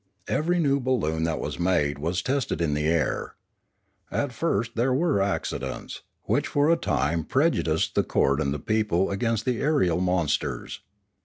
Every new balloon that was made was tested in the air. At first there were accidents, which for a time preju diced the court and the people against the aerial mon sters.